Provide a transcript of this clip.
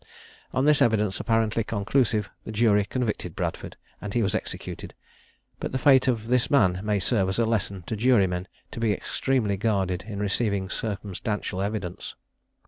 On this evidence, apparently conclusive, the jury convicted Bradford, and he was executed. But the fate of this man may serve as a lesson to jurymen to be extremely guarded in receiving circumstantial evidence.